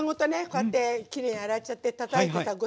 こうやってきれいに洗っちゃってたたいてさ５ｃｍ。